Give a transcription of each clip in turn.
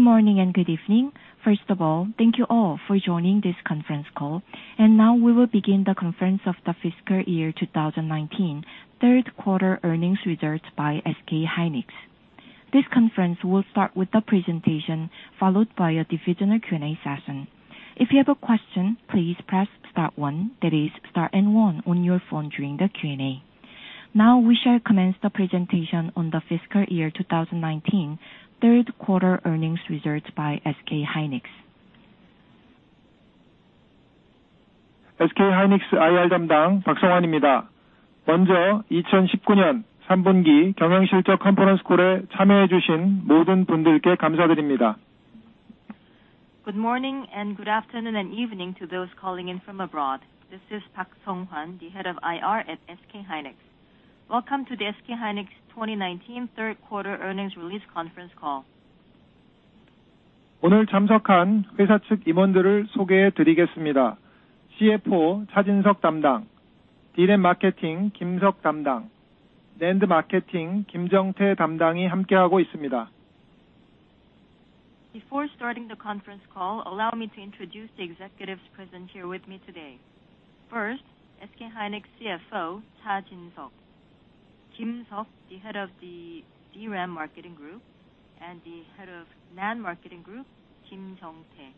Good morning and good evening. First of all, thank you all for joining this conference call. Now we will begin the conference of the fiscal year 2019, third quarter earnings results by SK hynix. This conference will start with the presentation, followed by a divisional Q&A session. If you have a question, please press star one, that is star and one on your phone during the Q&A. Now we shall commence the presentation on the fiscal year 2019, third quarter earnings results by SK hynix Good morning and good afternoon and evening to those calling in from abroad. This is Park Seong-hwan, the Head of IR at SK hynix. Welcome to the SK hynix 2019 third quarter earnings release conference call. Before starting the conference call, allow me to introduce the executives present here with me today. First, SK hynix CFO, Cha Jin-seok. Kim Seok, the head of the DRAM marketing group, and the head of NAND marketing group, Kim Jung-tae.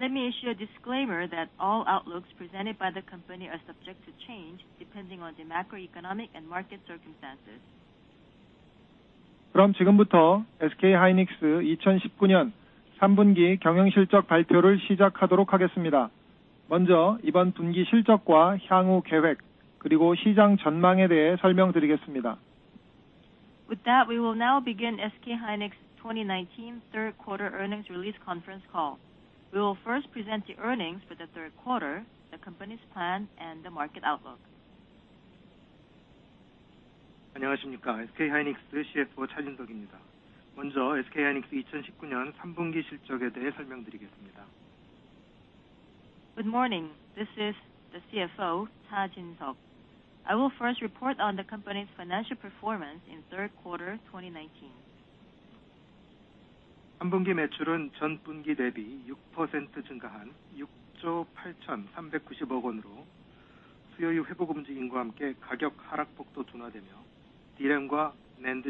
Let me issue a disclaimer that all outlooks presented by the company are subject to change depending on the macroeconomic and market circumstances. With that, we will now begin SK hynix 2019 third quarter earnings release conference call. We will first present the earnings for the third quarter, the company's plan, and the market outlook. Good morning. This is the CFO, Cha Jin-seok. I will first report on the company's financial performance in third quarter 2019. Consolidated sales in the third quarter was KRW 6.839 trillion, up 6% from the previous quarter. Sales grew for both DRAM and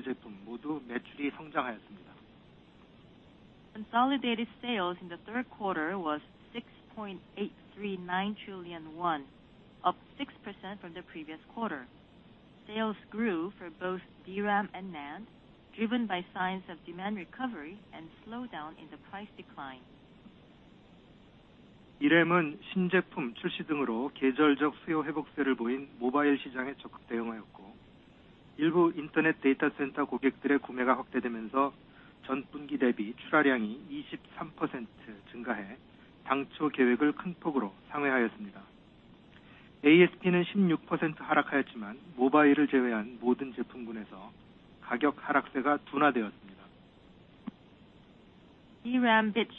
NAND, driven by signs of demand recovery and slowdown in the price decline. DRAM bit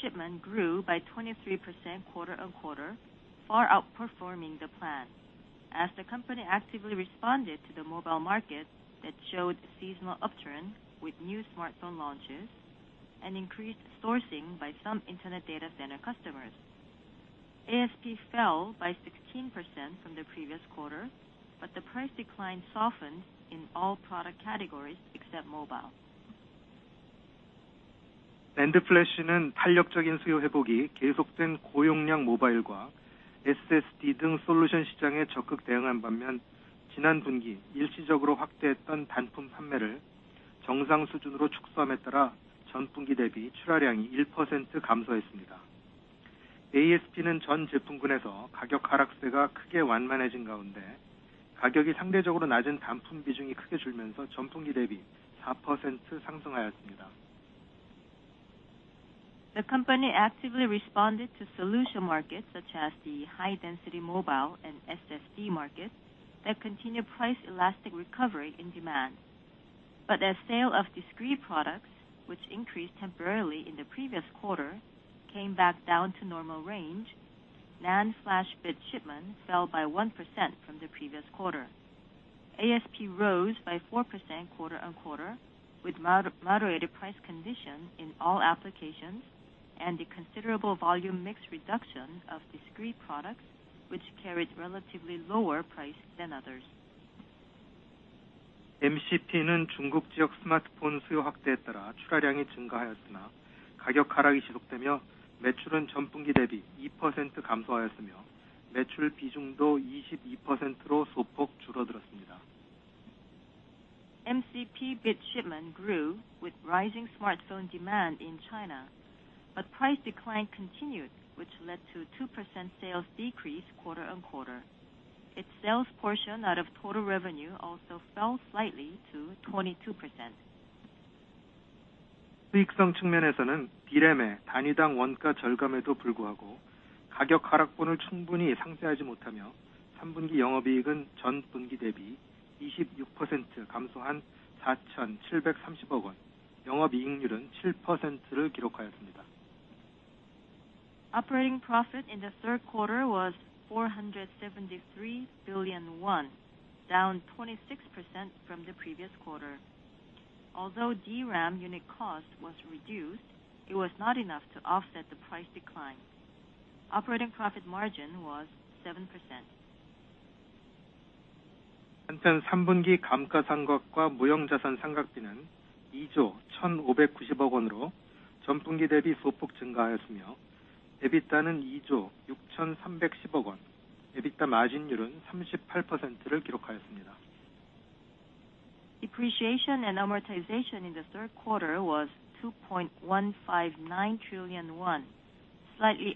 shipment grew by 23% quarter-on-quarter, far outperforming the plan, as the company actively responded to the mobile market that showed a seasonal upturn with new smartphone launches and increased sourcing by some internet data center customers. ASP fell by 16% from the previous quarter, the price decline softened in all product categories except mobile. The company actively responded to solution markets such as the high density mobile and SSD markets that continue price elastic recovery in demand. As sale of discrete products, which increased temporarily in the previous quarter, came back down to normal range, NAND flash bit shipment fell by 1% from the previous quarter. ASP rose by 4% quarter-on-quarter with moderated price condition in all applications and a considerable volume mix reduction of discrete products, which carried relatively lower price than others. MCP bit shipment grew with rising smartphone demand in China, but price decline continued, which led to 2% sales decrease quarter-on-quarter. Its sales portion out of total revenue also fell slightly to 22%. Operating profit in the third quarter was 473 billion won, down 26% from the previous quarter. Although DRAM unit cost was reduced, it was not enough to offset the price decline. Operating profit margin was 7%. Depreciation and amortization in the third quarter was KRW 2.159 trillion, slightly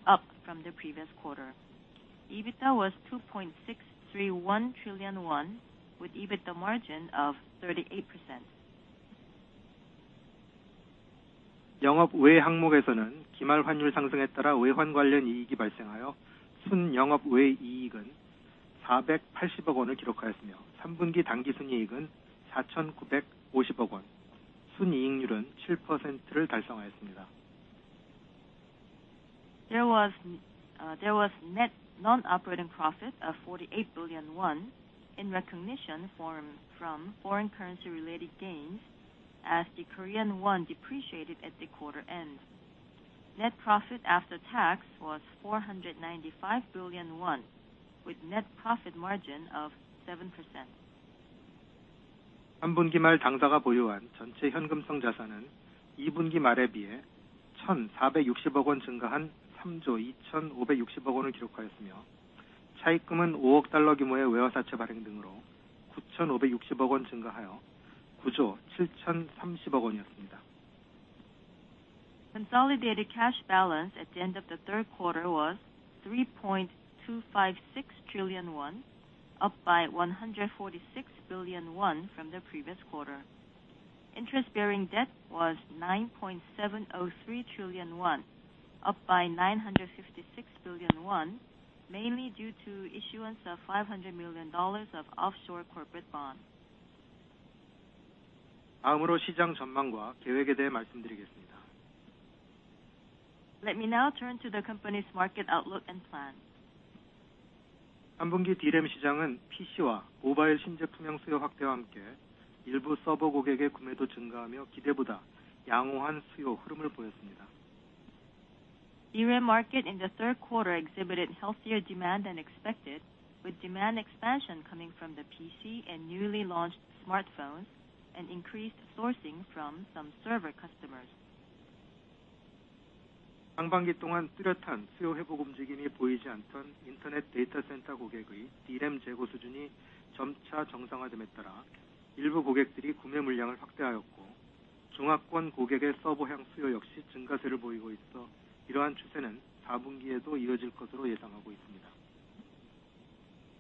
up from the previous quarter. EBITDA was 2.631 trillion won, with EBITDA margin of 38%. There was net non-operating profit of KRW 48 billion in recognition from foreign currency related gains as the Korean won depreciated at the quarter end. Net profit after tax was 495 billion won, with net profit margin of 7%. Consolidated cash balance at the end of the third quarter was 3.256 trillion won, up by 146 billion won from the previous quarter. Interest-bearing debt was 9.703 trillion won, up by 956 billion won, mainly due to issuance of $500 million of offshore corporate bonds. Let me now turn to the company's market outlook and plans. DRAM market in the third quarter exhibited healthier demand than expected, with demand expansion coming from the PC and newly launched smartphones and increased sourcing from some server customers.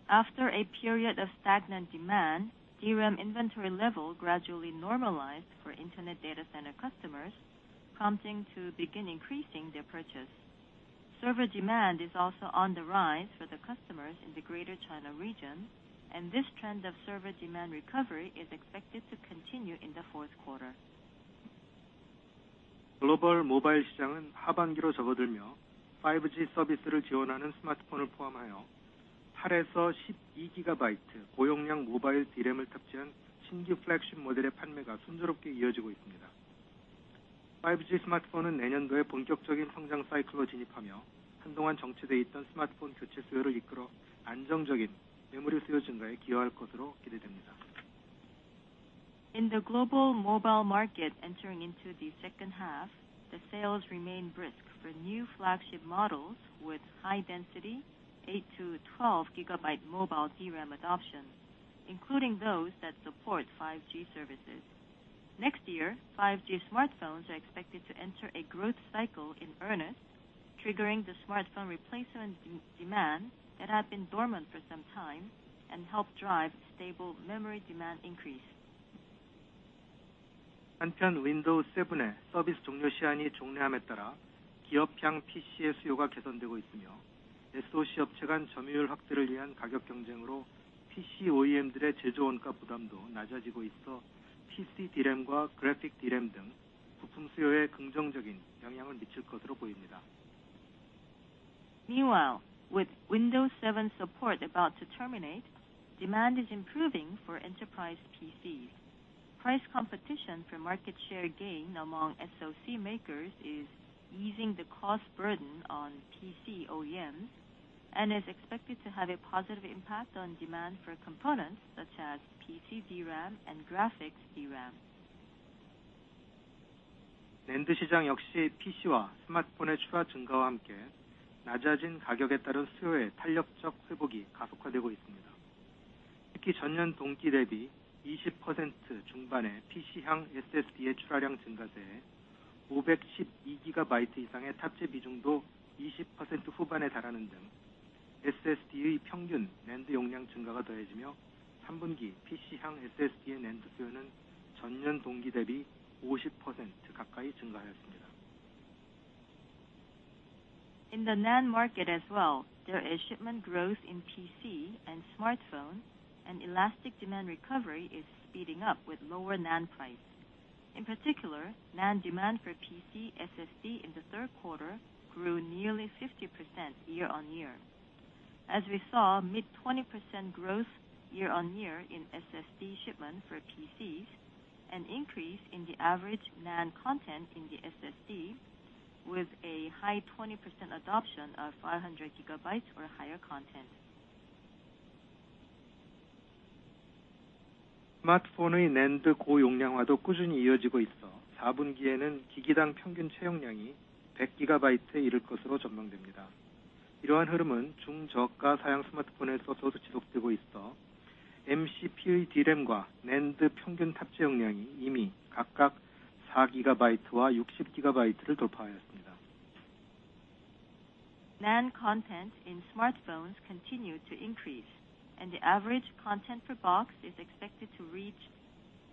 After a period of stagnant demand, DRAM inventory level gradually normalized for internet data center customers, prompting to begin increasing their purchase. Server demand is also on the rise for the customers in the Greater China region, this trend of server demand recovery is expected to continue in the fourth quarter. In the global mobile market entering into the second half, the sales remain brisk for new flagship models with high-density 8 to 12GB mobile DRAM adoption, including those that support 5G services. Next year, 5G smartphones are expected to enter a growth cycle in earnest, triggering the smartphone replacement demand that had been dormant for some time and help drive stable memory demand increase. Meanwhile, with Windows 7 support about to terminate, demand is improving for enterprise PCs. Price competition for market share gain among SoC makers is easing the cost burden on PC OEMs and is expected to have a positive impact on demand for components such as PC DRAM and Graphics DRAM. In the NAND market as well, there is shipment growth in PC and smartphone, and elastic demand recovery is speeding up with lower NAND price. In particular, NAND demand for PC SSD in the third quarter grew nearly 50% year-on-year. As we saw mid 20% growth year-on-year in SSD shipment for PCs, an increase in the average NAND content in the SSD with a high 20% adoption of 500 GB or higher content. NAND content in smartphones continue to increase, the average content per box is expected to reach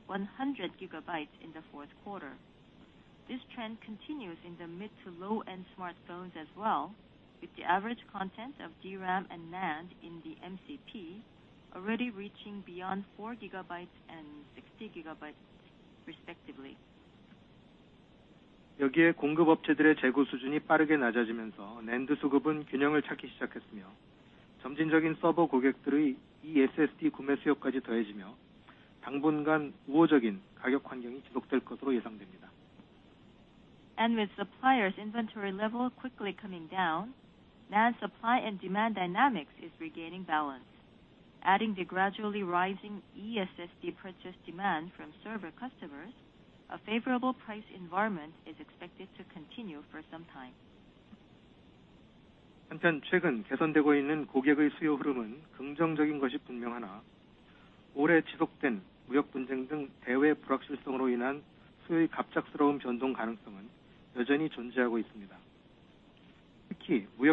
100 GB in the fourth quarter. This trend continues in the mid to low-end smartphones as well, with the average content of DRAM and NAND in the MCP already reaching beyond four gigabytes and 60 GB respectively. With suppliers' inventory level quickly coming down, NAND supply and demand dynamics is regaining balance. Adding the gradually rising eSSD purchase demand from server customers, a favorable price environment is expected to continue for some time. While it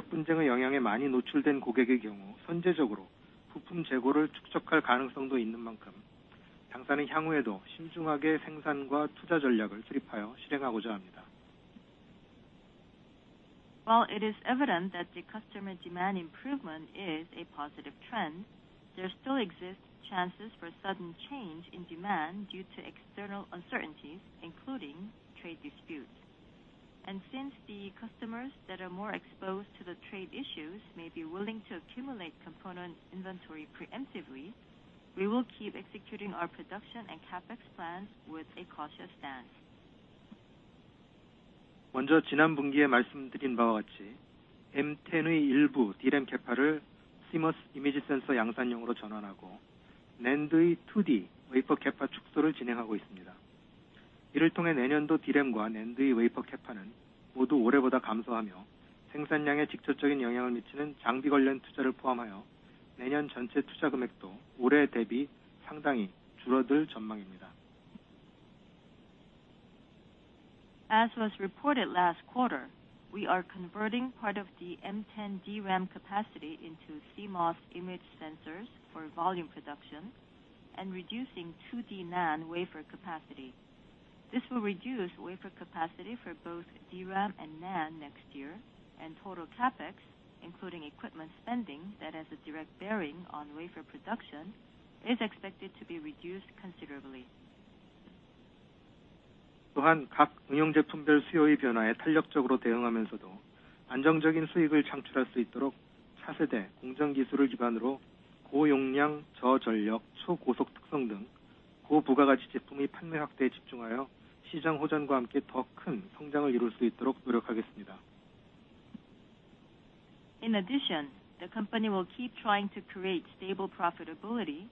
is evident that the customer demand improvement is a positive trend, there still exist chances for sudden change in demand due to external uncertainties, including trade disputes. Since the customers that are more exposed to the trade issues may be willing to accumulate component inventory preemptively, we will keep executing our production and CapEx plans with a cautious stance. As was reported last quarter, we are converting part of the M10 DRAM capacity into CMOS image sensors for volume production and reducing 2D NAND wafer capacity. This will reduce wafer capacity for both DRAM and NAND next year, and total CapEx, including equipment spending that has a direct bearing on wafer production, is expected to be reduced considerably. In addition, the company will keep trying to create stable profitability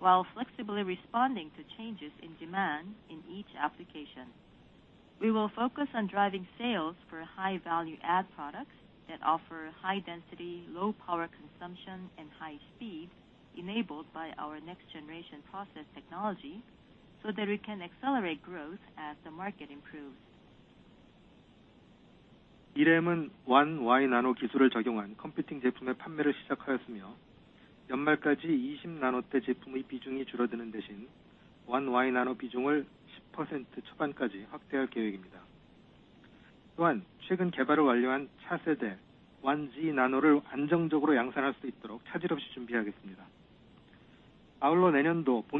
while flexibly responding to changes in demand in each application. We will focus on driving sales for high value add products that offer high density, low power consumption, and high speed enabled by our next generation process technology so that we can accelerate growth as the market improves.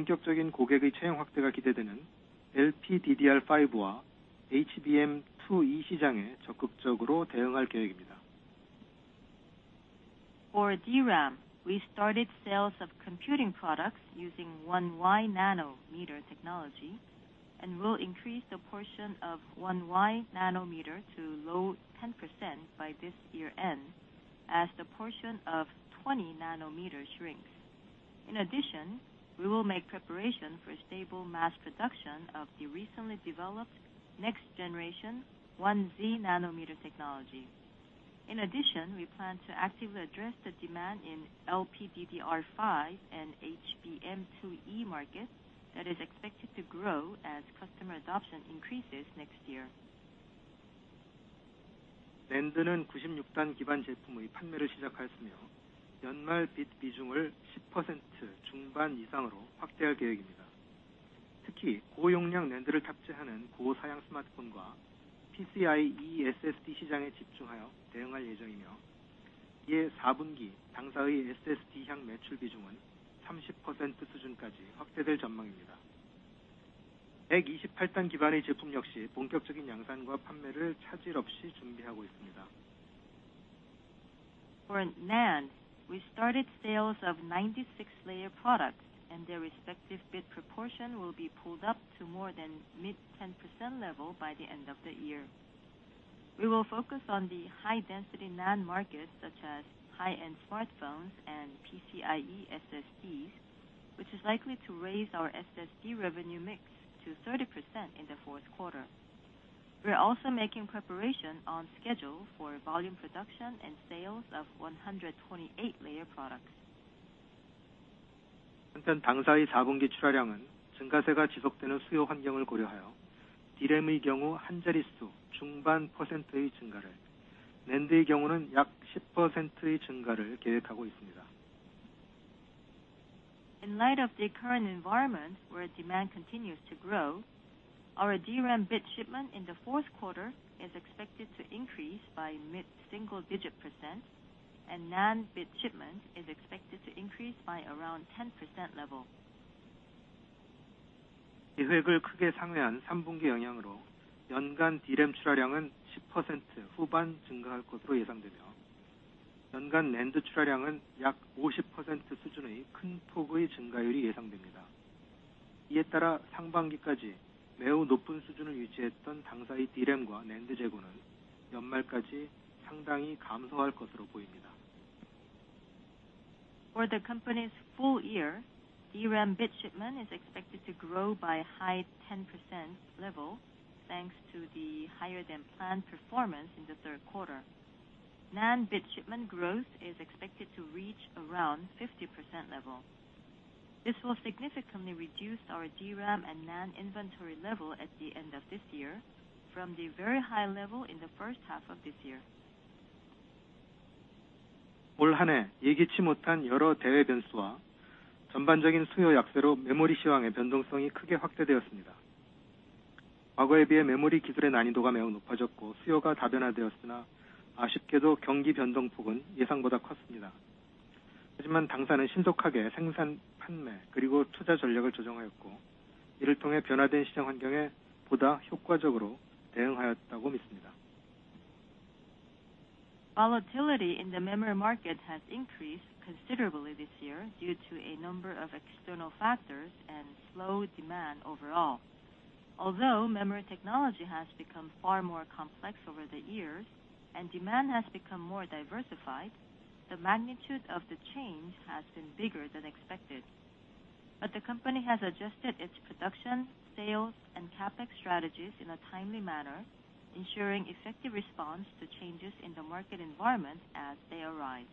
For DRAM, we started sales of computing products using 1y-nanometer technology and will increase the portion of 1y-nanometer to low 10% by this year end as the portion of 20nm shrinks. In addition, we will make preparation for stable mass production of the recently developed next generation 1z-nanometer technology. In addition, we plan to actively address the demand in LPDDR5 and HBM2E market that is expected to grow as customer adoption increases next year. For NAND, we started sales of 96-layer products, and their respective bit proportion will be pulled up to more than mid 10% level by the end of the year. We will focus on the high-density NAND markets, such as high-end smartphones and PCIe SSDs, which is likely to raise our SSD revenue mix to 30% in the fourth quarter. We are also making preparation on schedule for volume production and sales of 128-layer products. In light of the current environment where demand continues to grow, our DRAM bit shipment in the fourth quarter is expected to increase by mid-single digit%, and NAND bit shipment is expected to increase by around 10% level. For the company's full year, DRAM bit shipment is expected to grow by high 10% level, thanks to the higher-than-planned performance in the third quarter. NAND bit shipment growth is expected to reach around 50% level. This will significantly reduce our DRAM and NAND inventory level at the end of this year from the very high level in the first half of this year. Volatility in the memory market has increased considerably this year due to a number of external factors and slow demand overall. Although memory technology has become far more complex over the years and demand has become more diversified, the magnitude of the change has been bigger than expected. The company has adjusted its production, sales, and CapEx strategies in a timely manner, ensuring effective response to changes in the market environment as they arise.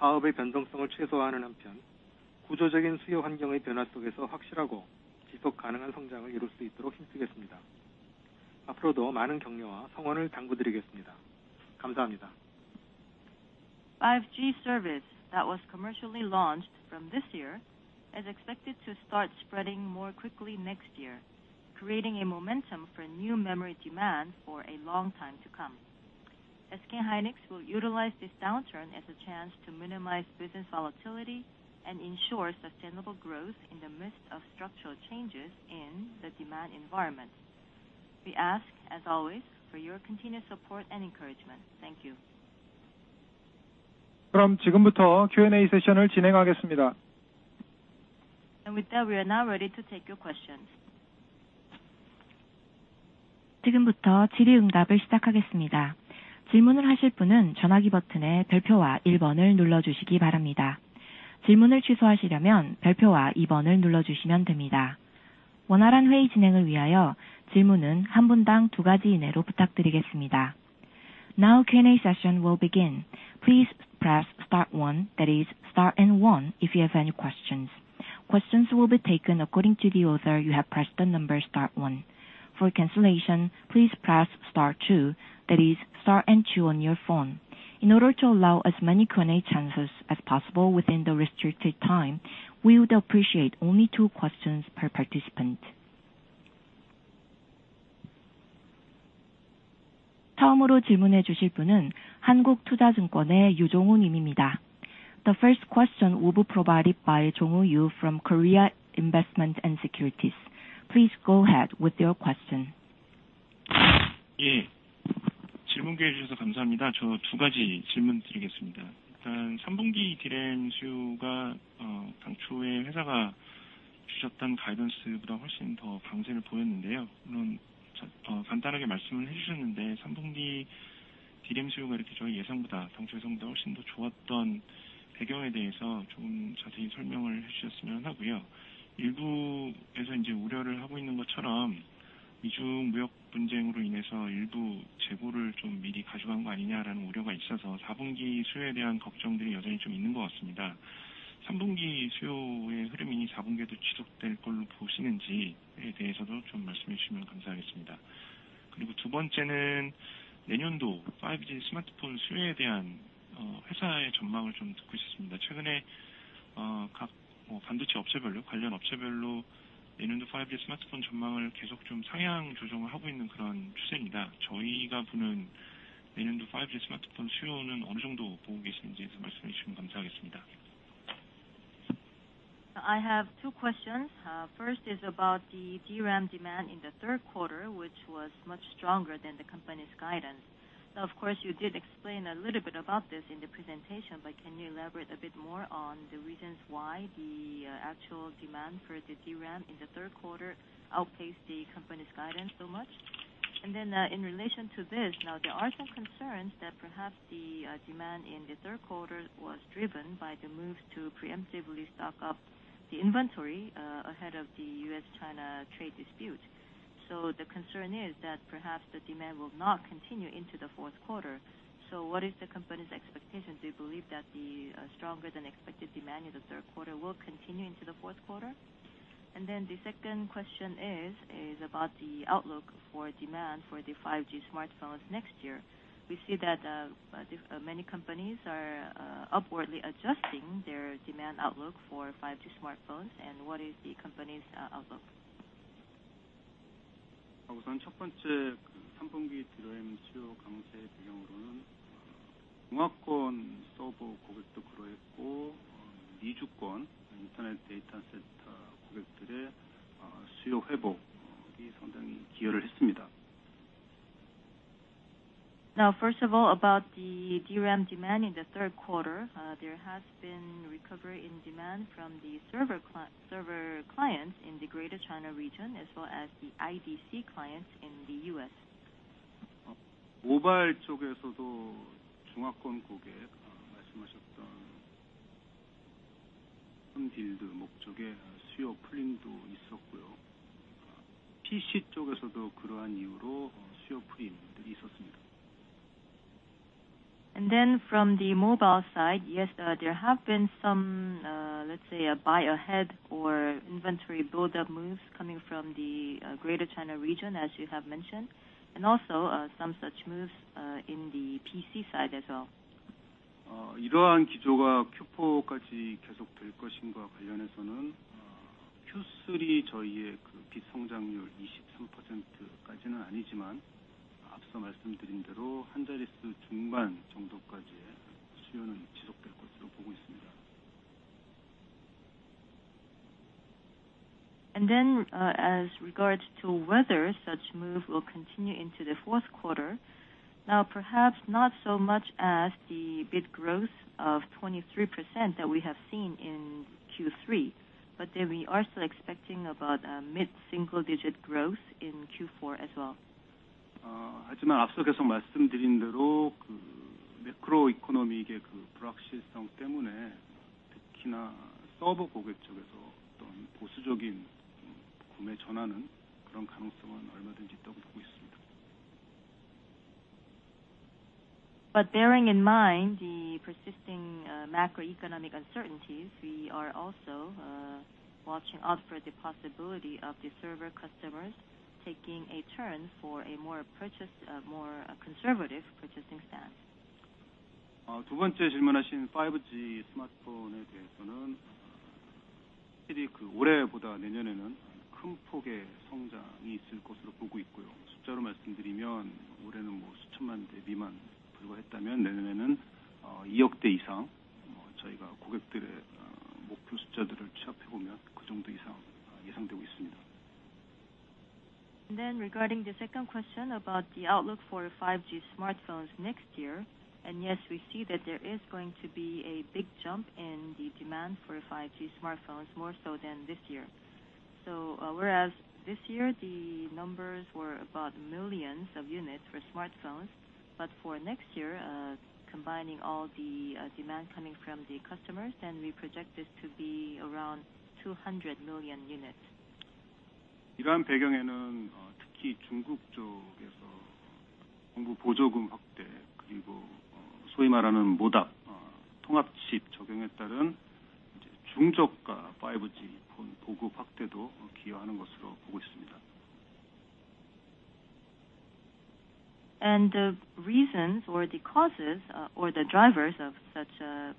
5G service that was commercially launched from this year is expected to start spreading more quickly next year, creating a momentum for new memory demand for a long time to come. SK hynix will utilize this downturn as a chance to minimize business volatility and ensure sustainable growth in the midst of structural changes in the demand environment. We ask, as always, for your continued support and encouragement. Thank you. With that, we are now ready to take your questions. Now Q&A session will begin. Please press star 1, that is star and 1, if you have any questions. Questions will be taken according to the order you have pressed the number star 1. For cancellation, please press star 2, that is star and 2, on your phone. In order to allow as many Q&A chances as possible within the restricted time, we would appreciate only two questions per participant. The first question will be provided by Wonsik Lee from Korea Investment & Securities. Please go ahead with your question. I have two questions. First is about the DRAM demand in the third quarter, which was much stronger than the company's guidance. Of course, you did explain a little bit about this in the presentation, but can you elaborate a bit more on the reasons why the actual demand for the DRAM in the third quarter outpaced the company's guidance so much? In relation to this, there are some concerns that perhaps the demand in the third quarter was driven by the moves to preemptively stock up the inventory ahead of the U.S.-China trade dispute. The concern is that perhaps the demand will not continue into the fourth quarter. What is the company's expectation? Do you believe that the stronger than expected demand in the third quarter will continue into the fourth quarter? The second question is about the outlook for demand for the 5G smartphones next year. We see that many companies are upwardly adjusting their demand outlook for 5G smartphones. What is the company's outlook? First of all, about the DRAM demand in the third quarter, there has been recovery in demand from the server clients in the Greater China region, as well as the IDC clients in the U.S. From the mobile side, yes, there have been some, let's say, a buy ahead or inventory buildup moves coming from the Greater China region, as you have mentioned, and also some such moves in the PC side as well. As regards to whether such move will continue into the fourth quarter. Perhaps not so much as the bit growth of 23% that we have seen in Q3, but we are still expecting about a mid-single-digit growth in Q4 as well. Bearing in mind the persisting macroeconomic uncertainties, we are also watching out for the possibility of the server customers taking a turn for a more conservative purchasing stance. Regarding the second question about the outlook for 5G smartphones next year. Yes, we see that there is going to be a big jump in the demand for 5G smartphones, more so than this year. Whereas this year the numbers were about millions of units for smartphones, for next year, combining all the demand coming from the customers, we project this to be around 200 million units. The reasons or the causes or the drivers of such a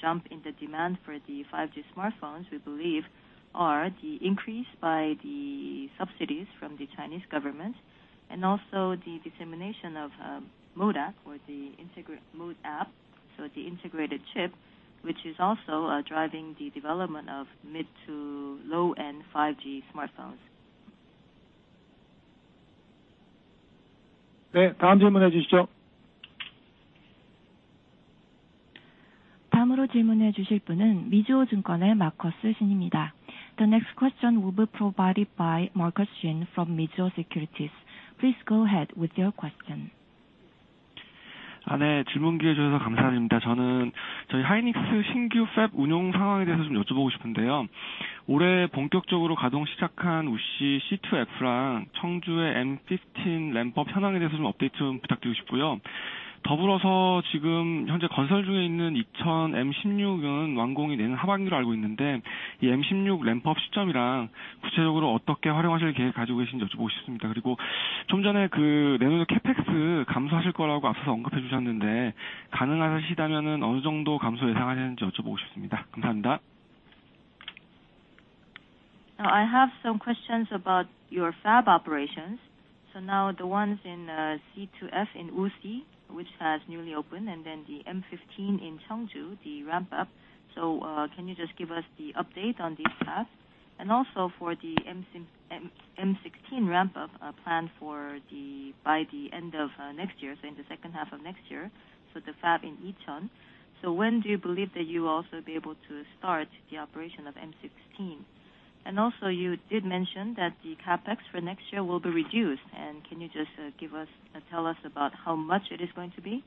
jump in the demand for the 5G smartphones, we believe are the increase by the subsidies from the Chinese government and also the dissemination of modem or the integrated modem, so the integrated chip, which is also driving the development of mid to low-end 5G smartphones. The next question will be provided by Marcus Shin from Mizuho Securities. Please go ahead with your question. I have some questions about your fab operations. The ones in C2F in Wuxi, which has newly opened, and then the M15 in Cheongju, the ramp-up, can you just give us the update on these fabs? For the M16 ramp-up plan by the end of next year, in the second half of next year, the fab in Icheon, when do you believe that you will also be able to start the operation of M16? You did mention that the CapEx for next year will be reduced. Can you just tell us about how much it is going to be?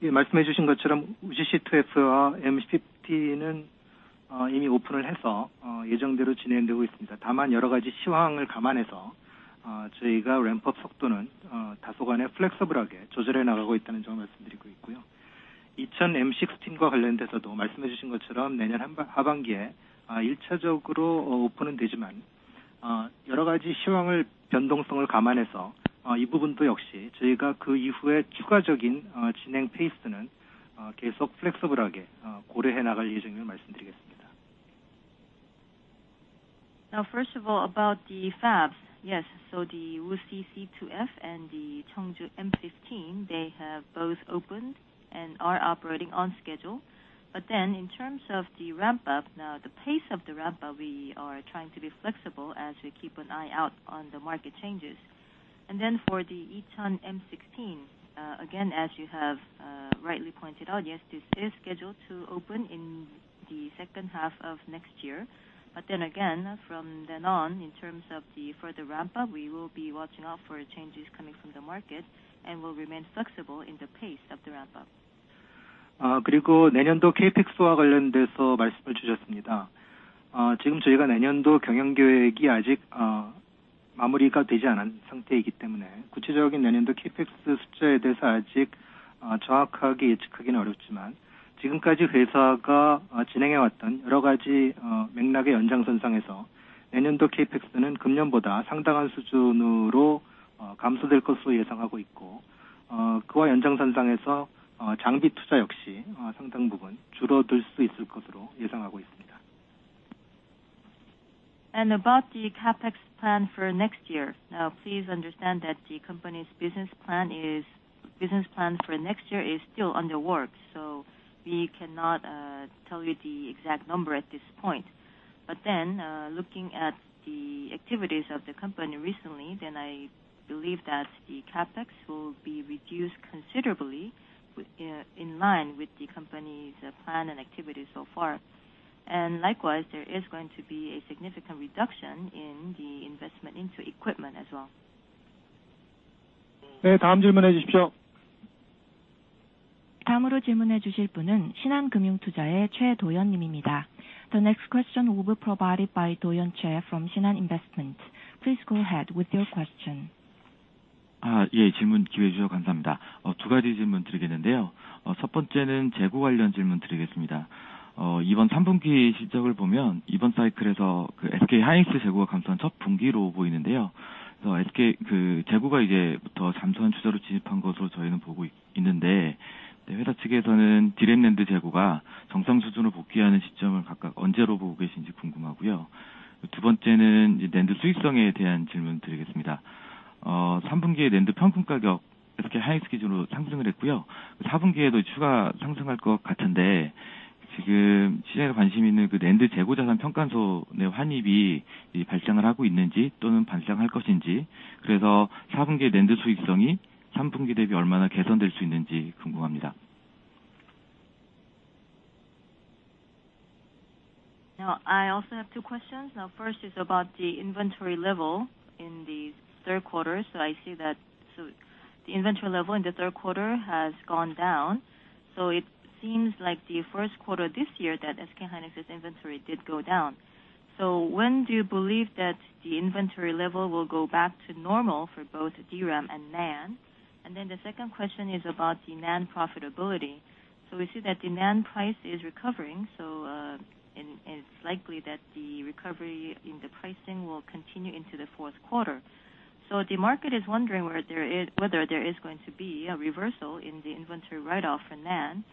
First of all, about the fabs. Yes. The Wuxi C2F and the Cheongju M15, they have both opened and are operating on schedule. In terms of the ramp-up, now the pace of the ramp-up, we are trying to be flexible as we keep an eye out on the market changes. For the Icheon M16, again, as you have rightly pointed out, yes, this is scheduled to open in the second half of next year. Again, from then on, in terms of the further ramp-up, we will be watching out for changes coming from the market and will remain flexible in the pace of the ramp-up. About the CapEx plan for next year. Please understand that the company's business plan for next year is still under work. We cannot tell you the exact number at this point. Looking at the activities of the company recently, I believe that the CapEx will be reduced considerably in line with the company's plan and activities so far. Likewise, there is going to be a significant reduction in the investment into equipment as well. The next question will be provided by Doyeon Choi from Shinhan Investment. Please go ahead with your question. I also have two questions. First is about the inventory level in the third quarter. I see that the inventory level in the third quarter has gone down. It seems like the first quarter this year that SK hynix's inventory did go down. When do you believe that the inventory level will go back to normal for both DRAM and NAND? The second question is about demand profitability. We see that demand price is recovering, and it's likely that the recovery in the pricing will continue into the fourth quarter. The market is wondering whether there is going to be a reversal in the inventory write-off for NAND.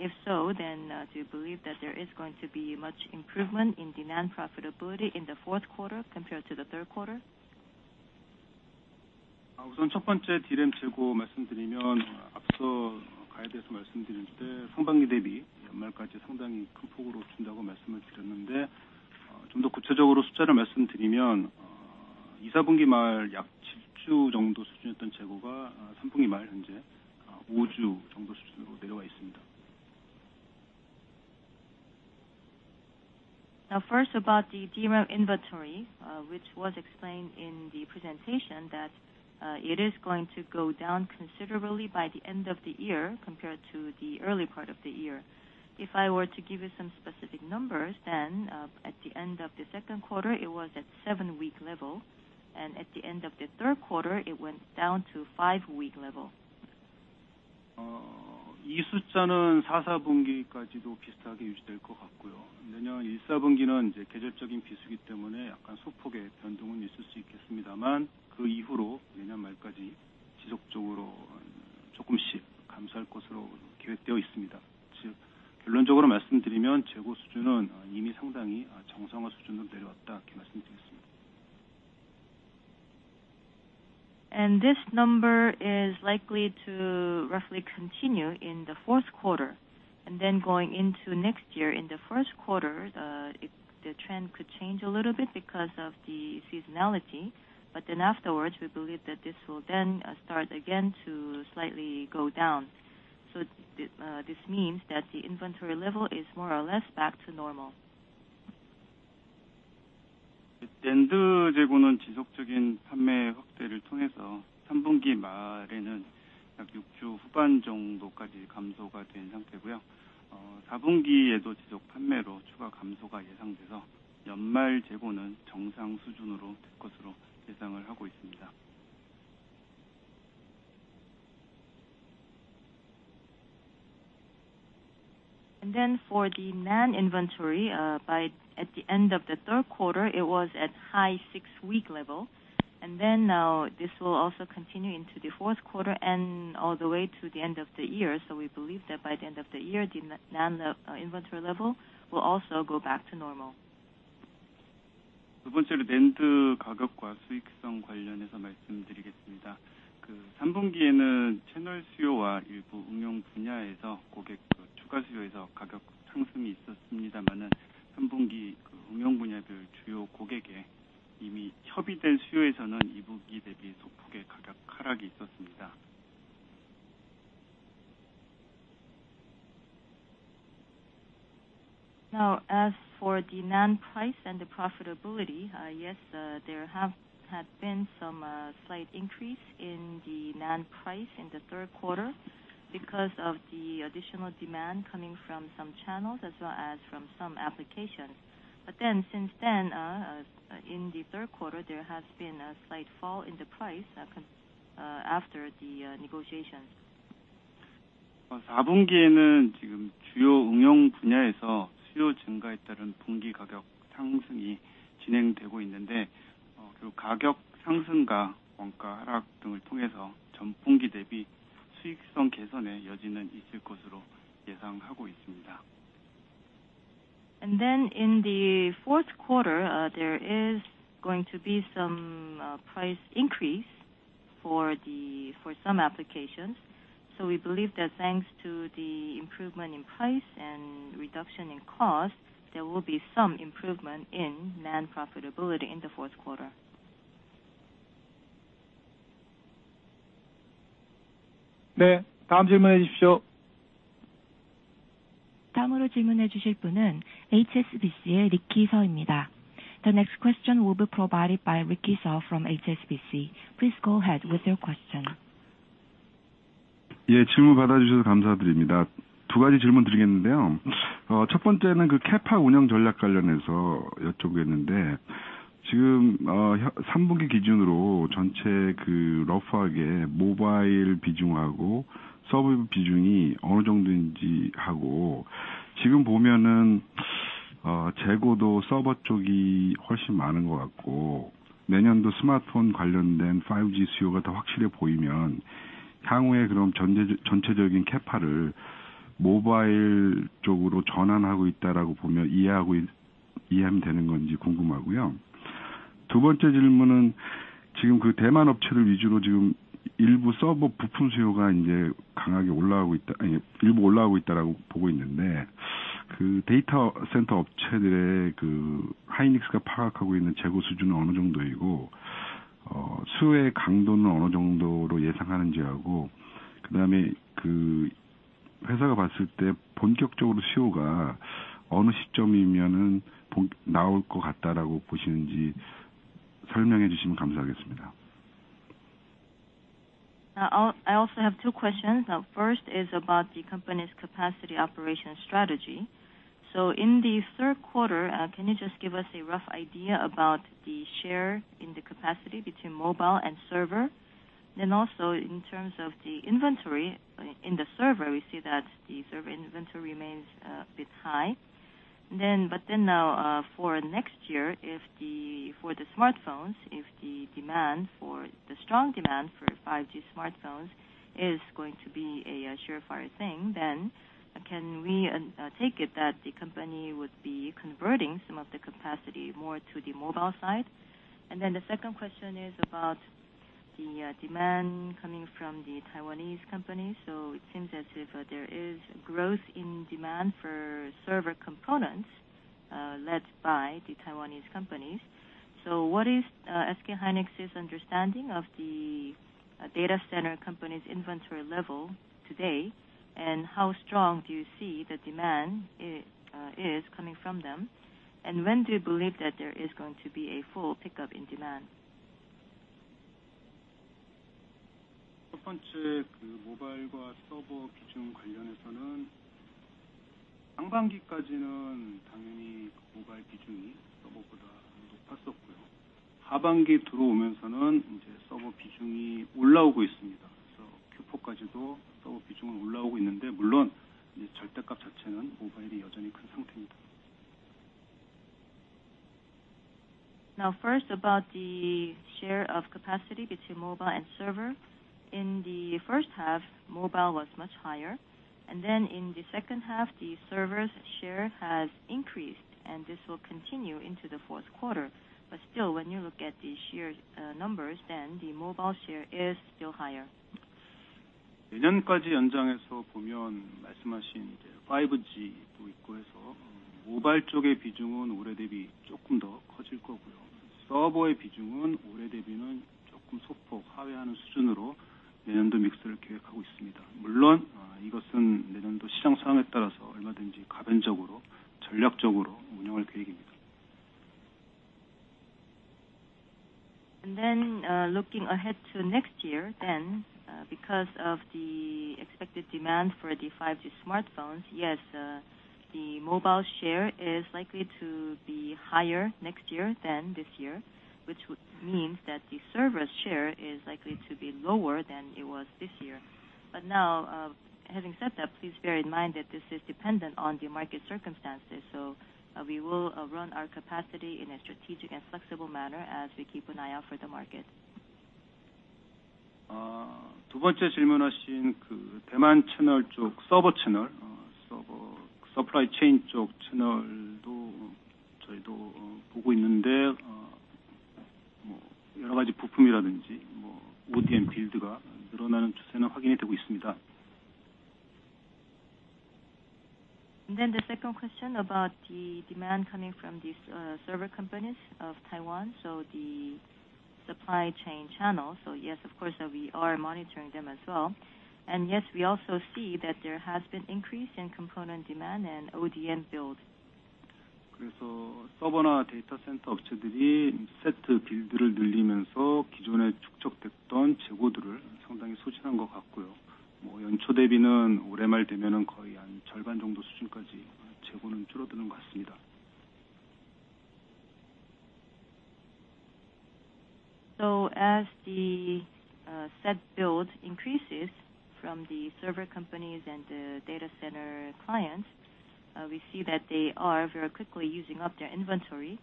If so, then do you believe that there is going to be much improvement in demand profitability in the fourth quarter compared to the third quarter? First about the DRAM inventory, which was explained in the presentation that it is going to go down considerably by the end of the year compared to the early part of the year. If I were to give you some specific numbers, at the end of the second quarter, it was at 7 week level, and at the end of the third quarter, it went down to 5 week level. This number is likely to roughly continue in the fourth quarter. Going into next year in the first quarter, the trend could change a little bit because of the seasonality, but then afterwards we believe that this will then start again to slightly go down. This means that the inventory level is more or less back to normal. For the NAND inventory, at the end of the third quarter, it was at high 6 week level. This will also continue into the fourth quarter and all the way to the end of the year. We believe that by the end of the year, the NAND inventory level will also go back to normal. As for the NAND price and the profitability, yes, there have been some slight increase in the NAND price in the third quarter because of the additional demand coming from some channels as well as from some applications. Since then, in the third quarter, there has been a slight fall in the price after the negotiation.In the fourth quarter, there is going to be some price increase for some applications. We believe that thanks to the improvement in price and reduction in cost, there will be some improvement in NAND profitability in the fourth quarter. The next question will be provided by Ricky Seo from HSBC. Please go ahead with your question. I also have two questions. First is about the company's capacity operation strategy. In the third quarter, can you just give us a rough idea about the share in the capacity between mobile and server? Also in terms of the inventory in the server, we see that the server inventory remains a bit high. Now, for next year, for the smartphones, if the strong demand for 5G smartphones is going to be a surefire thing, then can we take it that the company would be converting some of the capacity more to the mobile side? The second question is about the demand coming from the Taiwanese companies. It seems as if there is growth in demand for server components, led by the Taiwanese companies. What is SK hynix's understanding of the data center company's inventory level today, and how strong do you see the demand is coming from them? When do you believe that there is going to be a full pickup in demand? First about the share of capacity between mobile and server. In the first half, mobile was much higher. In the second half, the server's share has increased. This will continue into the fourth quarter. Still, when you look at the share numbers, the mobile share is still higher. Looking ahead to next year, because of the expected demand for the 5G smartphones, yes, the mobile share is likely to be higher next year than this year, which means that the server's share is likely to be lower than it was this year. Having said that, please bear in mind that this is dependent on the market circumstances. We will run our capacity in a strategic and flexible manner as we keep an eye out for the market. The second question about the demand coming from these server companies of Taiwan, the supply chain channel. Yes, of course, we are monitoring them as well. Yes, we also see that there has been increase in component demand and ODM build. As the set build increases from the server companies and the data center clients, we see that they are very quickly using up their inventory.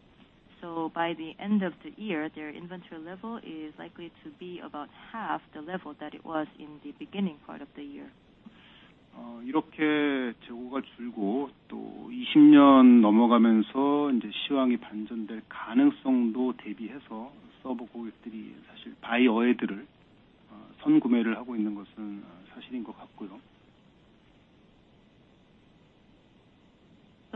By the end of the year, their inventory level is likely to be about half the level that it was in the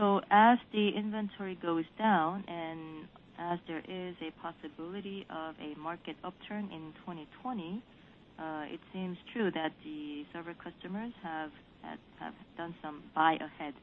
beginning part of the year. As the inventory goes down, and as there is a possibility of a market upturn in 2020, it seems true that the server customers have done some buy ahead.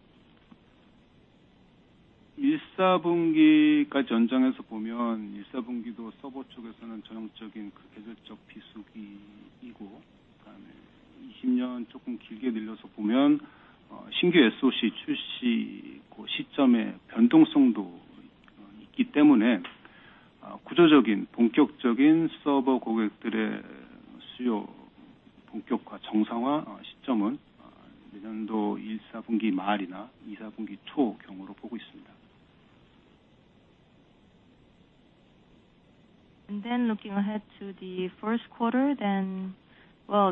Looking ahead to the first quarter.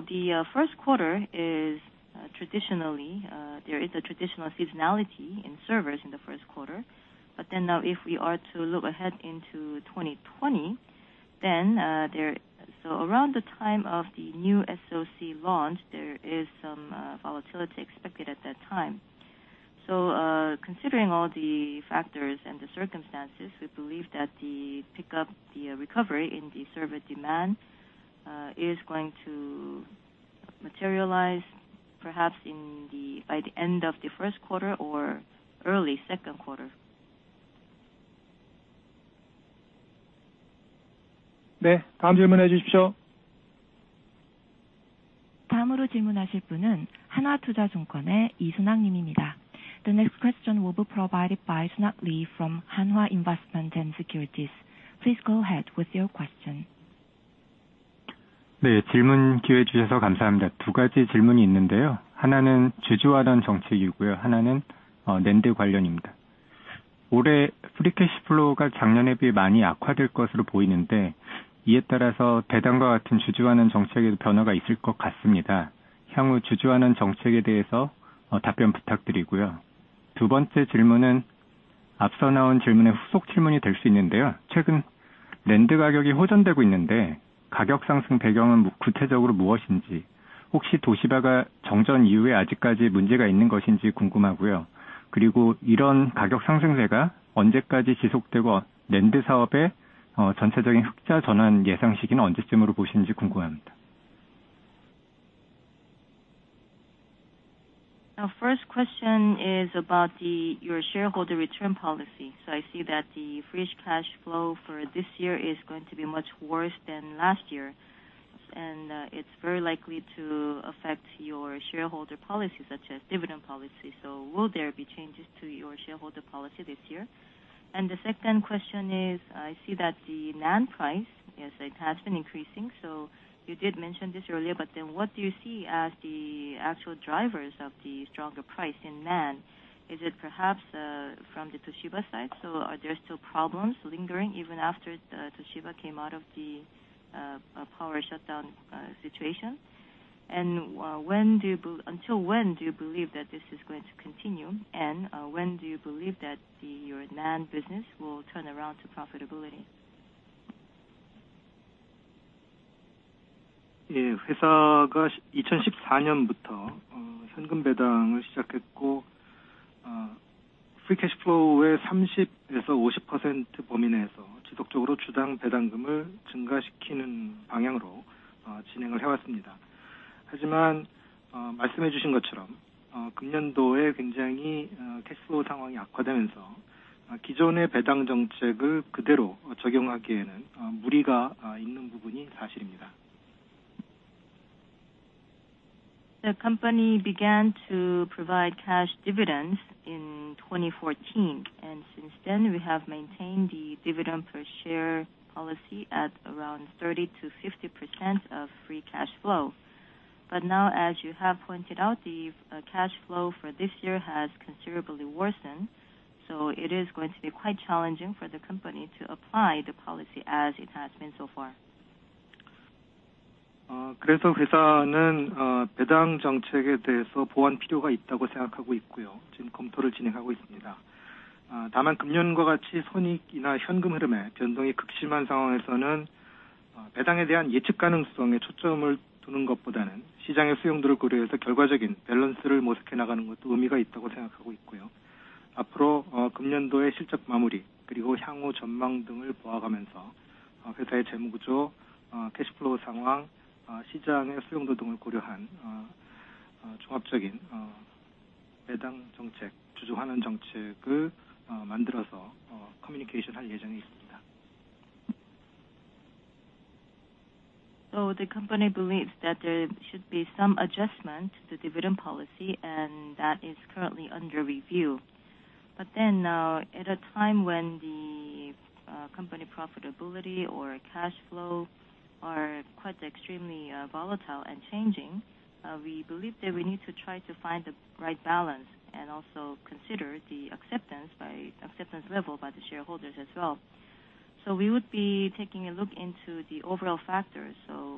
The first quarter, there is a traditional seasonality in servers in the first quarter. Now if we are to look ahead into 2020, around the time of the new SoC launch, there is some volatility expected at that time. Considering all the factors and the circumstances, we believe that the pickup, the recovery in the server demand, is going to materialize perhaps by the end of the first quarter or early second quarter. The next question will be provided by Soonhak Lee from Hanwha Investment & Securities. Please go ahead with your question. First question is about your shareholder return policy. I see that the free cash flow for this year is going to be much worse than last year, and it's very likely to affect your shareholder policy such as dividend policy. Will there be changes to your shareholder policy this year? The second question is, I see that the NAND price, yes, it has been increasing. You did mention this earlier, but then what do you see as the actual drivers of the stronger price in NAND? Is it perhaps from the Toshiba side? Are there still problems lingering even after Toshiba came out of the power shutdown situation? Until when do you believe that this is going to continue? When do you believe that your NAND business will turn around to profitability. The company began to provide cash dividends in 2014. Since then we have maintained the dividend per share policy at around 30%-50% of free cash flow. Now, as you have pointed out, the cash flow for this year has considerably worsened. It is going to be quite challenging for the company to apply the policy as it has been so far. The company believes that there should be some adjustment to the dividend policy, and that is currently under review. At a time when the company profitability or cash flow are quite extremely volatile and changing, we believe that we need to try to find the right balance and also consider the acceptance level by the shareholders as well. We would be taking a look into the overall factors.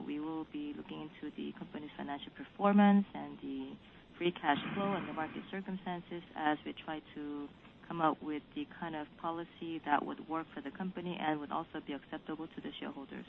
We will be looking into the company's financial performance and the free cash flow and the market circumstances as we try to come up with the kind of policy that would work for the company and would also be acceptable to the shareholders.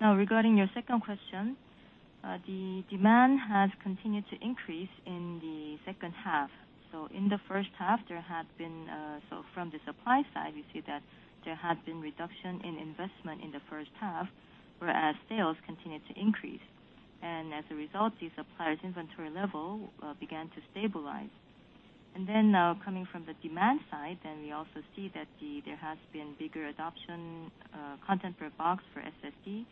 Regarding your second question, the demand has continued to increase in the second half. In the first half, from the supply side, we see that there had been reduction in investment in the first half, whereas sales continued to increase. As a result, the suppliers inventory level began to stabilize. Coming from the demand side, then we also see that there has been bigger adoption content per box for SSD.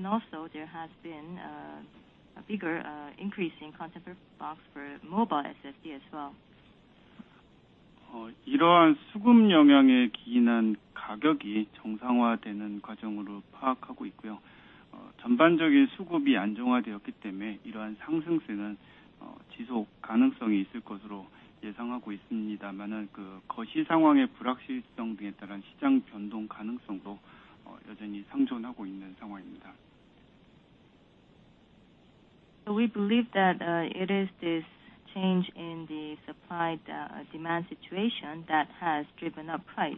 Also there has been a bigger increase in content per box for mobile SSD as well. We believe that it is this change in the supply-demand situation that has driven up price.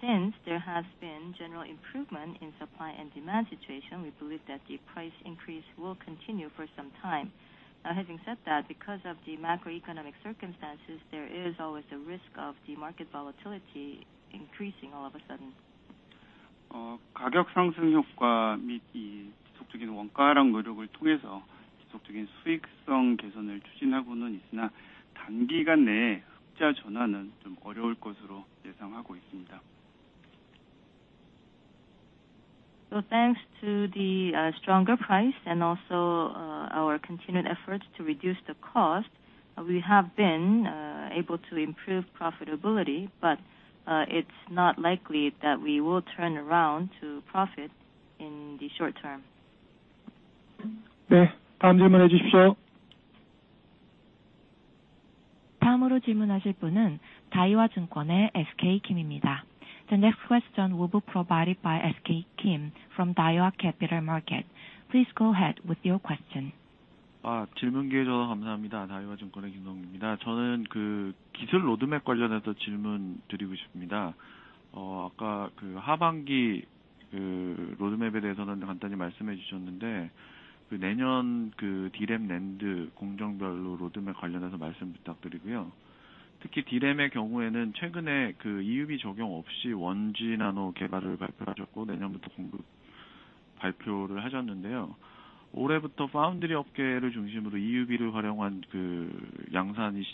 Since there has been general improvement in supply and demand situation, we believe that the price increase will continue for some time. Now, having said that, because of the macroeconomic circumstances, there is always a risk of the market volatility increasing all of a sudden. Thanks to the stronger price and also our continued efforts to reduce the cost. We have been able to improve profitability, but it's not likely that we will turn around to profit in the short term. I have some questions about your technology roadmap. You did explain a bit about the roadmap for the second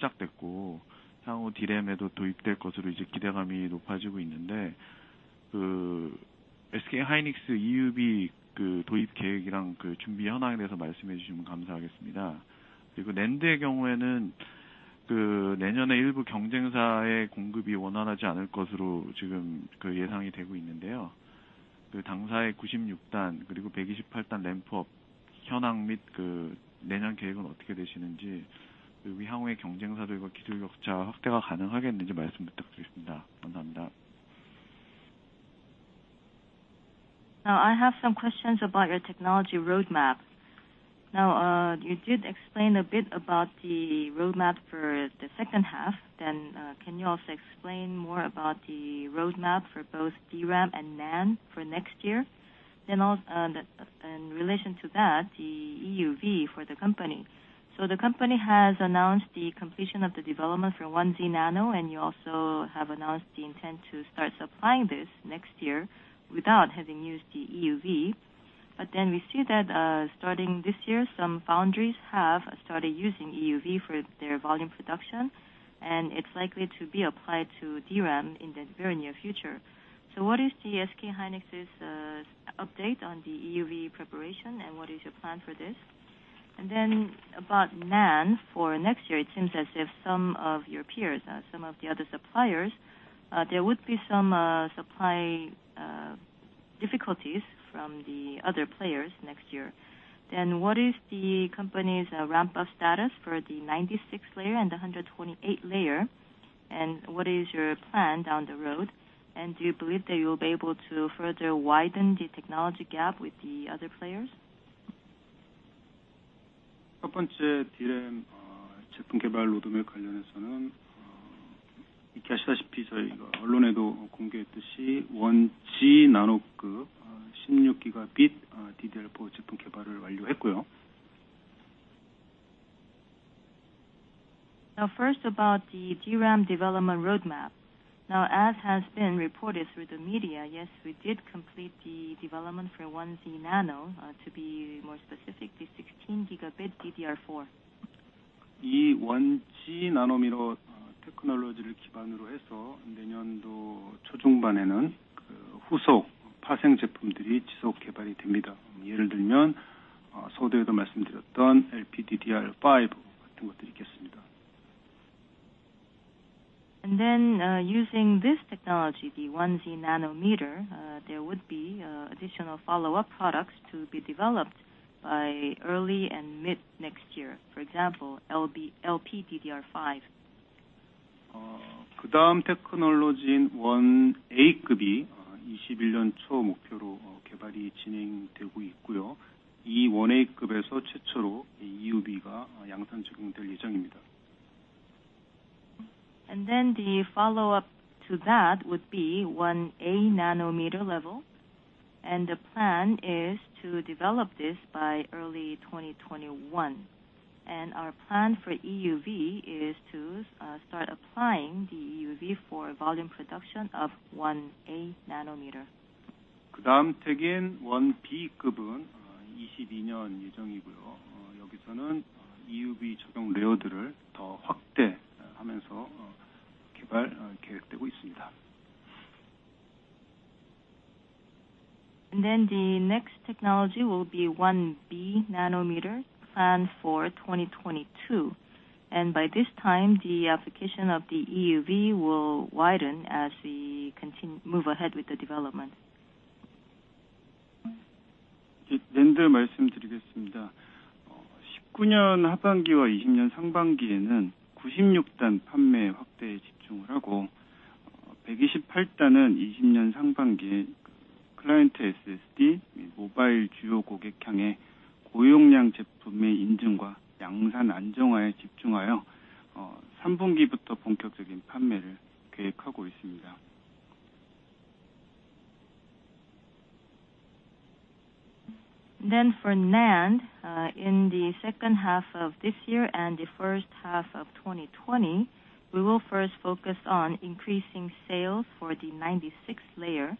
half. Can you also explain more about the roadmap for both DRAM and NAND for next year? In relation to that, the EUV for the company. The company has announced the completion of the development for 1z nano, and you also have announced the intent to start supplying this next year without having used the EUV. We see that starting this year, some foundries have started using EUV for their volume production, and it's likely to be applied to DRAM in the very near future. What is the SK hynix's update on the EUV preparation, and what is your plan for this? About NAND for next year, it seems as if some of your peers, some of the other suppliers, there would be some supply difficulties from the other players next year. What is the company's ramp-up status for the 96-Layer and 128-Layer? What is your plan down the road? Do you believe that you will be able to further widen the technology gap with the other players? First about the DRAM development roadmap. As has been reported through the media, yes, we did complete the development for 1Z nano, to be more specific, the 16 Gigabit DDR4. Using this technology, the 1Z nanometer, there would be additional follow-up products to be developed by early and mid-next year. For example, LPDDR5. Then the follow-up to that would be 1a-nanometer level. The plan is to develop this by early 2021. Our plan for EUV is to start applying the EUV for volume production of 1a-nanometer. The next technology will be 1b-nanometer, planned for 2022. By this time, the application of the EUV will widen as we move ahead with the development. For NAND, in the second half of this year and the first half of 2020, we will first focus on increasing sales for the 96-layer.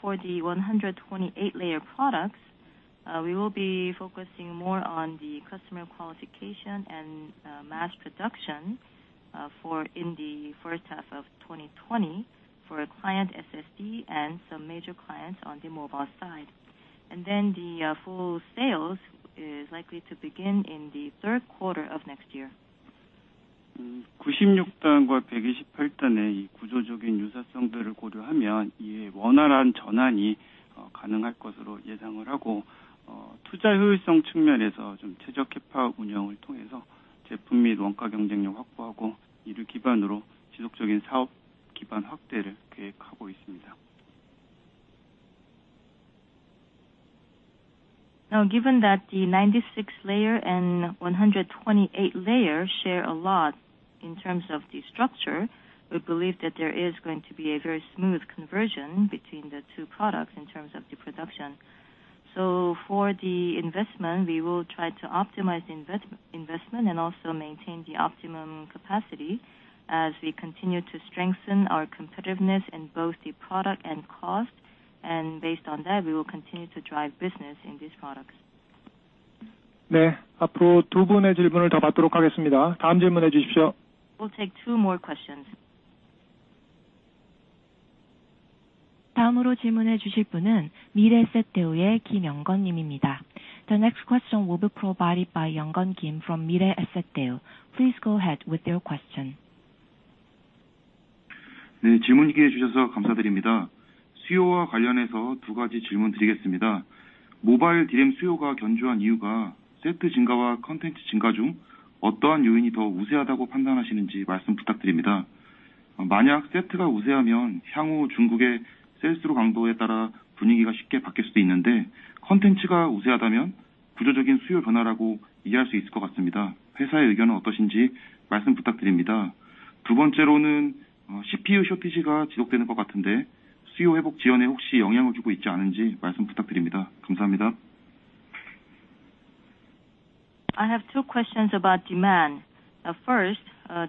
For the 128-layer products, we will be focusing more on the customer qualification and mass production in the first half of 2020 for a client SSD and some major clients on the mobile side. The full sales is likely to begin in the third quarter of next year. Given that the 96-Layer and 128-Layer share a lot in terms of the structure, we believe that there is going to be a very smooth conversion between the two products in terms of the production. For the investment, we will try to optimize the investment and also maintain the optimum capacity as we continue to strengthen our competitiveness in both the product and cost. Based on that, we will continue to drive business in these products. We'll take two more questions. The next question will be provided by Young-Keun Kim from Mirae Asset Daewoo. Please go ahead with your question. I have two questions about demand. First,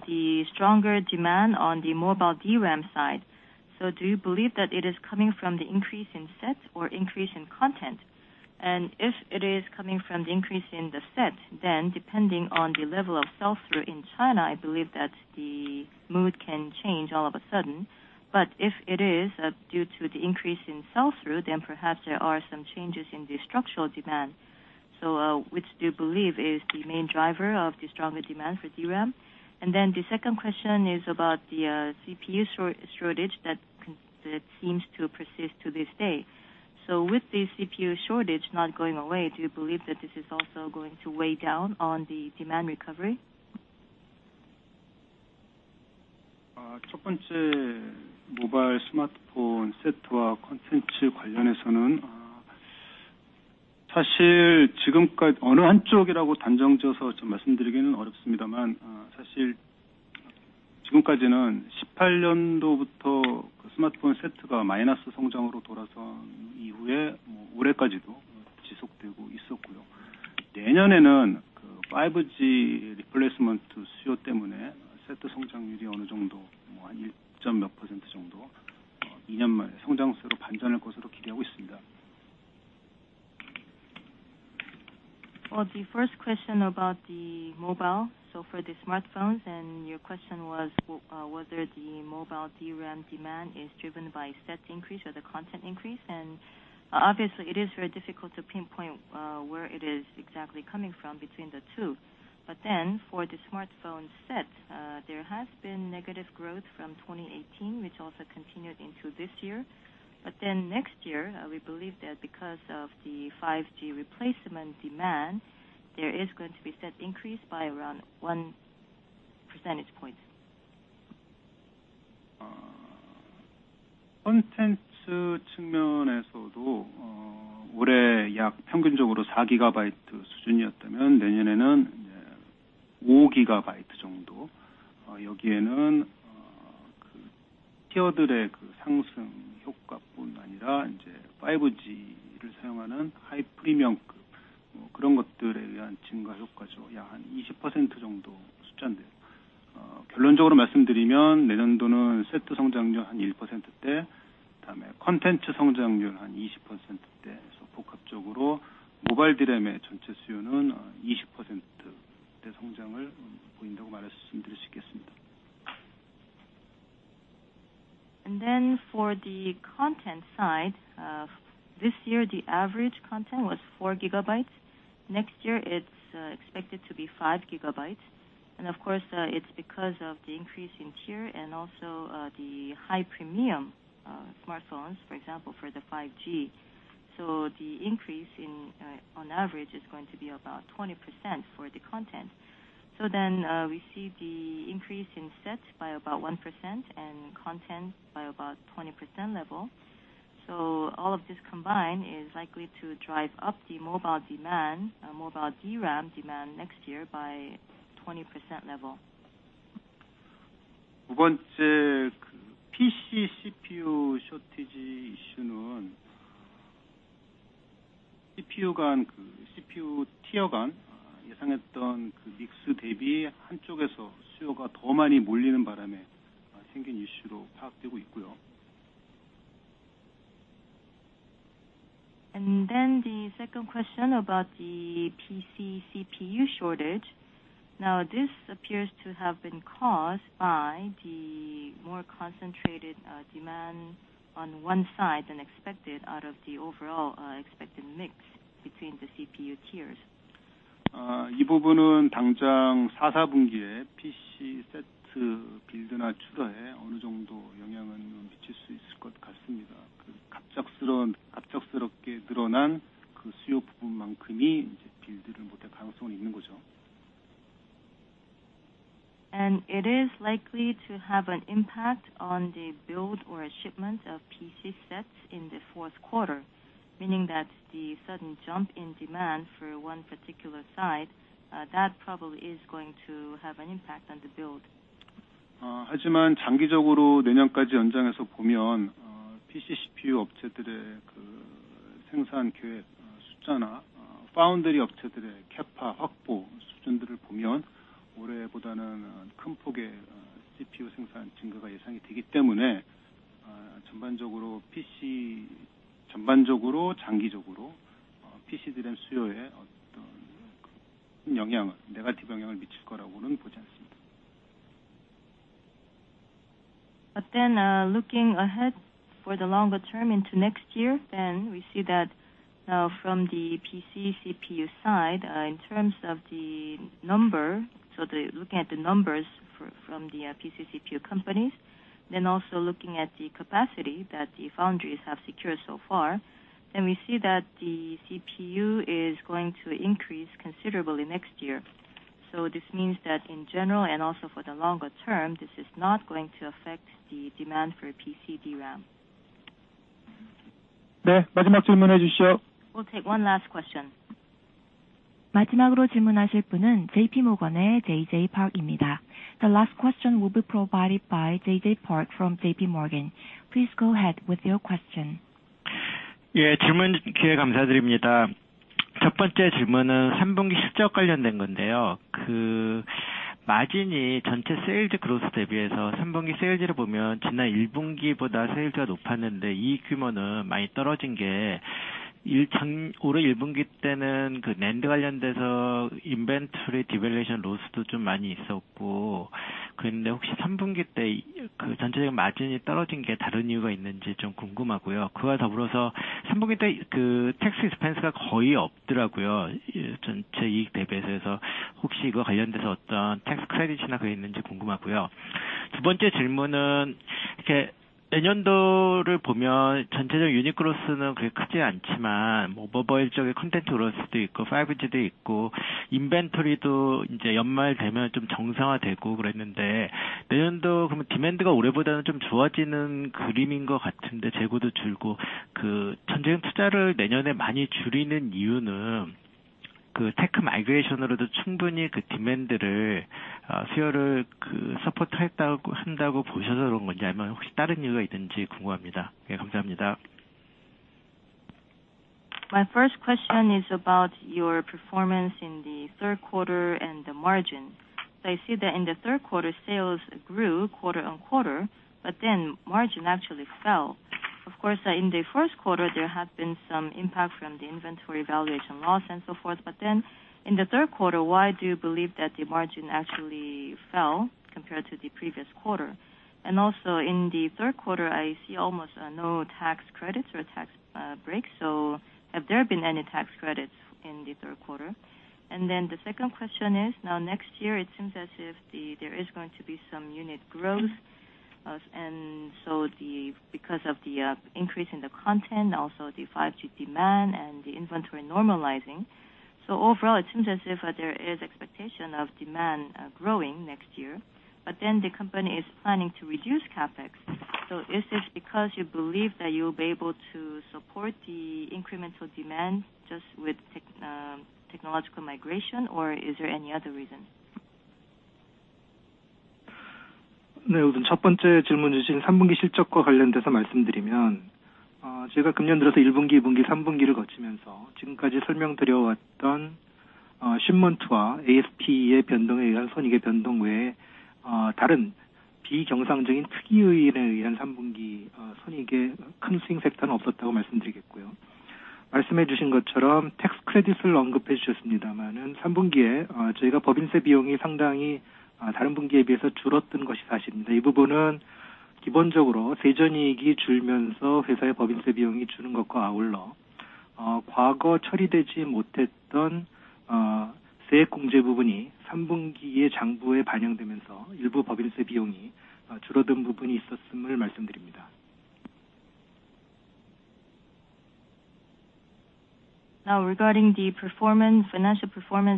the stronger demand on the mobile DRAM side. Do you believe that it is coming from the increase in sets or increase in content? If it is coming from the increase in the sets, depending on the level of sell-through in China, I believe that the mood can change all of a sudden. If it is due to the increase in sell-through, perhaps there are some changes in the structural demand. Which do you believe is the main driver of the stronger demand for DRAM? The second question is about the CPU shortage that seems to persist to this day. With the CPU shortage not going away, do you believe that this is also going to weigh down on the demand recovery? The first question about the mobile. For the smartphones, and your question was whether the mobile DRAM demand is driven by set increase or the content increase. Obviously it is very difficult to pinpoint where it is exactly coming from between the two. For the smartphone set, there has been negative growth from 2018 which also continued into this year. Next year, we believe that because of the 5G replacement demand, there is going to be set increase by around one percentage point. For the content side, this year the average content was four gigabytes. Next year, it's expected to be five gigabytes. It's because of the increase in tier and also the high premium smartphones, for example, for the 5G. The increase on average is going to be about 20% for the content. We see the increase in sets by about 1% and content by about 20% level. All of this combined is likely to drive up the mobile demand, mobile DRAM demand next year by 20% level. The second question about the PC CPU shortage. Now this appears to have been caused by the more concentrated demand on one side than expected out of the overall expected mix between the CPU tiers. It is likely to have an impact on the build or shipment of PC sets in the fourth quarter, meaning that the sudden jump in demand for one particular side, that probably is going to have an impact on the build. Looking ahead for the longer term into next year, we see that from the PC CPU side, in terms of the number, so looking at the numbers from the PC CPU companies, also looking at the capacity that the foundries have secured so far, we see that the CPU is going to increase considerably next year. This means that in general, and also for the longer term, this is not going to affect the demand for PC DRAM. We'll take one last question. The last question will be provided by JJ Park from JPMorgan. Please go ahead with your question. My first question is about your performance in the third quarter and the margin. I see that in the third quarter, sales grew quarter-over-quarter. Margin actually fell. Of course, in the first quarter, there has been some impact from the inventory valuation loss and so forth. In the third quarter, why do you believe that the margin actually fell compared to the previous quarter? Also in the third quarter, I see almost no tax credits or tax breaks. Have there been any tax credits in the third quarter? The second question is, now next year it seems as if there is going to be some unit growth. Because of the increase in the content, also the 5G demand and the inventory normalizing. Overall, it seems as if there is expectation of demand growing next year, the company is planning to reduce CapEx. Is this because you believe that you'll be able to support the incremental demand just with technological migration, or is there any other reason? Regarding the financial performance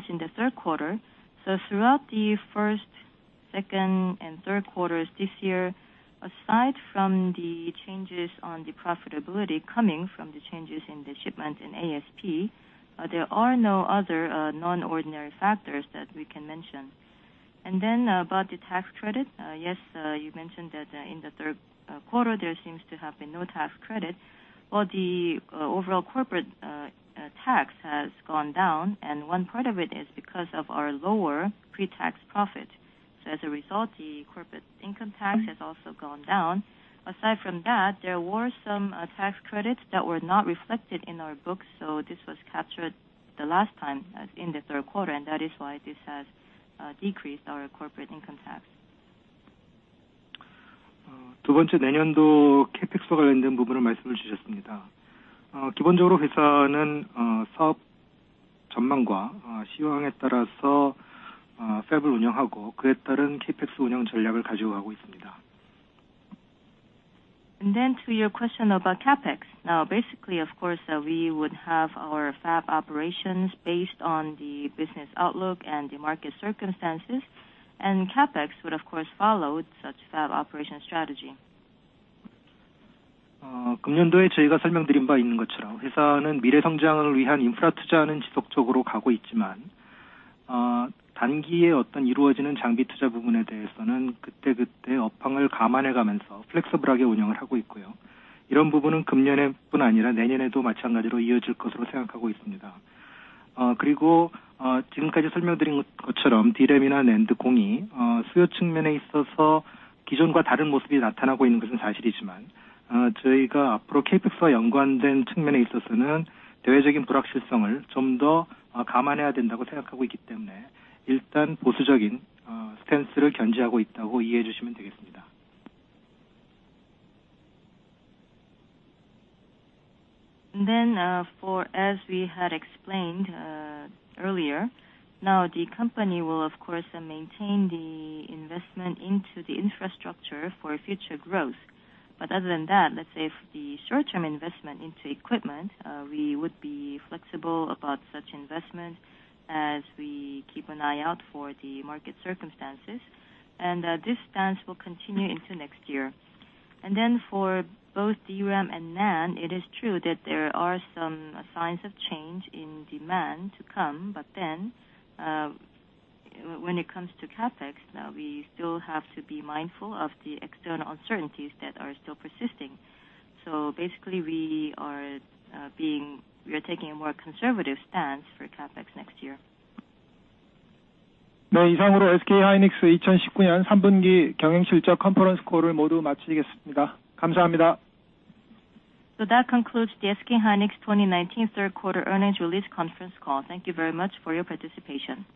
in the third quarter. Throughout the first, second, and third quarters this year, aside from the changes on the profitability coming from the changes in the shipment in ASP, there are no other non-ordinary factors that we can mention. About the tax credit. Yes, you mentioned that in the third quarter, there seems to have been no tax credit or the overall corporate tax has gone down, and one part of it is because of our lower pre-tax profit. As a result, the corporate income tax has also gone down. Aside from that, there were some tax credits that were not reflected in our books, so this was captured the last time in the third quarter, and that is why this has decreased our corporate income tax. To your question about CapEx. Now, basically, of course, we would have our Fab operations based on the business outlook and the market circumstances, and CapEx would, of course, follow such Fab operation strategy. As we had explained earlier, now the company will, of course, maintain the investment into the infrastructure for future growth. Other than that, let's say for the short-term investment into equipment, we would be flexible about such investment as we keep an eye out for the market circumstances. This stance will continue into next year. For both DRAM and NAND, it is true that there are some signs of change in demand to come. When it comes to CapEx, we still have to be mindful of the external uncertainties that are still persisting. Basically, we are taking a more conservative stance for CapEx next year. That concludes the SK hynix 2019 third quarter earnings release conference call. Thank you very much for your participation.